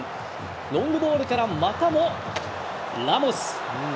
ロングボールからまたもラモス。